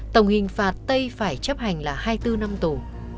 tổng hình phạt tây phải chấp hành là hai mươi bốn năm tù